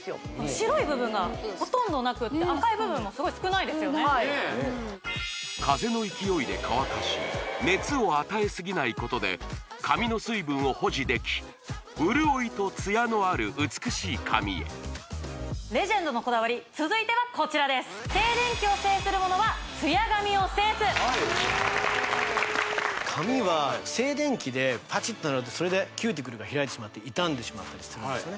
白い部分がほとんどなくて赤い部分もすごい少ないですよね風の勢いで乾かし熱を与えすぎないことで髪の水分を保持でき潤いとツヤのある美しい髪へレジェンドのこだわり続いてはこちらです髪は静電気でパチッとなるとそれでキューティクルが開いてしまって傷んでしまったりするんですよね